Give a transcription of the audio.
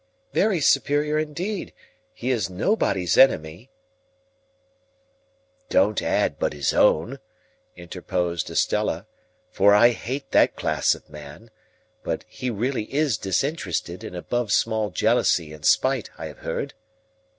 "Very superior indeed. He is nobody's enemy—" "Don't add but his own," interposed Estella, "for I hate that class of man. But he really is disinterested, and above small jealousy and spite, I have heard?"